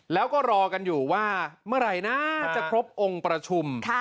แล้วก็รอกันอยู่ว่าเมื่อไหร่นะถ้าจะครบองค์ประชุม